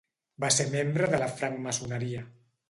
Va ser membre de la francmaçoneria.